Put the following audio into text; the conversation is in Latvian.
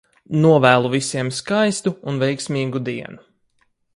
Novēlu visiem skaistu un veiksmīgu dienu!